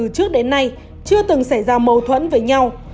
trước đến nay chưa từng xảy ra mâu thuẫn với nhau